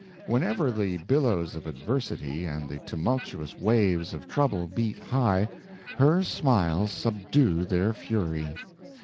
Whenever the billows of adversity and the tumultuous waves of trouble beat high, her smiles subdue their fury.